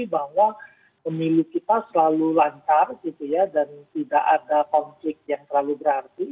bahwa pemilu kita selalu lancar gitu ya dan tidak ada konflik yang terlalu berarti